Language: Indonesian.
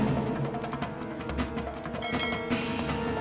apa yang kau lihat